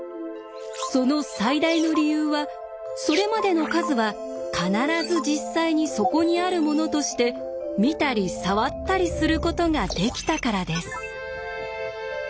その最大の理由はそれまでの数は必ず実際にそこにあるものとして見たり触ったりすることができたからです。